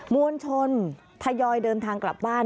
มวลชนทยอยเดินทางกลับบ้าน